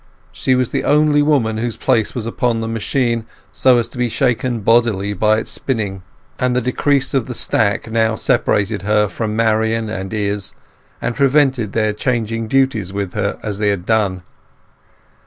She was the only woman whose place was upon the machine so as to be shaken bodily by its spinning, and the decrease of the stack now separated her from Marian and Izz, and prevented their changing duties with her as they had done.